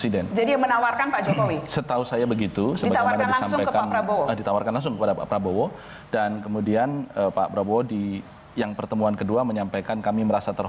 ia sudah tewas di dspace